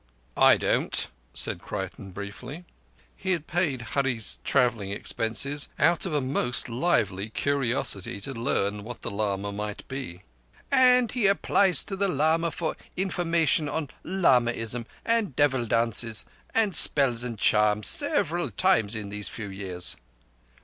"I don't," said Creighton briefly. He had paid Hurree's travelling expenses, out of a most lively curiosity to learn what the lama might be. "And he applies to the lama for information on lamaism, and devil dances, and spells and charms, several times in these few years.